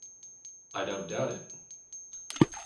I don't doubt it!